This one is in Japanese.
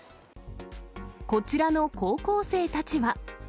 こちらの高校生たちは。